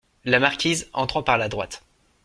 La Marquise , entrant par la droite.